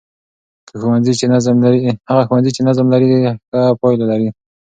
هغه ښوونځی چې نظم لري، ښه پایله لري.